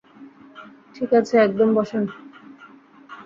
ঠিকাছে, একদম, বসেন।